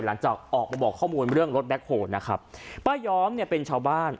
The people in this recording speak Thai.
หลังจากออกมาบอกข้อมูลเรื่องรถแบ็คโฮนะครับป้าย้อมเนี่ยเป็นชาวบ้าน